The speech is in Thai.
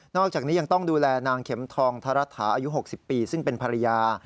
อกจากนี้ยังต้องดูแลนางเข็มทองธรัตถาอายุ๖๐ปีซึ่งเป็นภรรยา